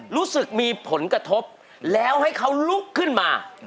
รู้สึกมีผลกระทบแล้วให้เขาลุกขึ้นมา